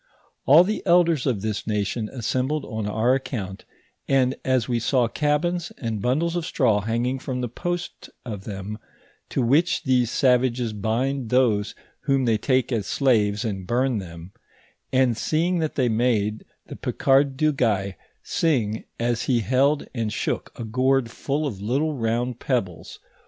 All the eldera of this nation assembled on our account, and as we saw cabins, and bundles of straw hanging from the posts of them, to which these savages bind those whom they take as slaves, and bum them ; and seeing that they made the Picard du Gay sing, as he held and shook a gourd full of little round pebbles, while his